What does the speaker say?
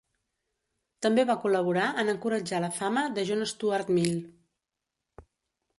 També va col·laborar en encoratjar la fama de John Stuart Mill.